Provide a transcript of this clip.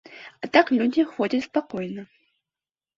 А так людзі ходзяць спакойна.